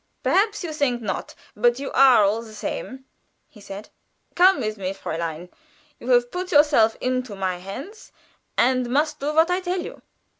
"Perhaps you think not; but you are, all the same," he said. "Come with me, Fräulein. You have put yourself into my hands; you must do what I tell you."